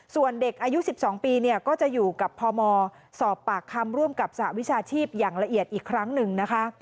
ส่วนเด็กอายุ๑๒ปีเนี่ยก็จะอยู่กับพมสอบปากคำร่วมกับสหวิชาชีพอย่างละเอียดอีกครั้งหนึ่งนะคะ